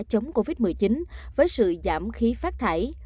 chống covid một mươi chín với sự giảm khí phát thải